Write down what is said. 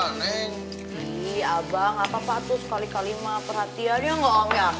ih abang apa apa tuh sekali kali mah perhatiannya nggak om ya